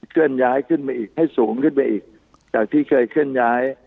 เคลื่อนย้ายขึ้นมาอีกให้สูงขึ้นไปอีกจากที่เคยเคลื่อนย้าย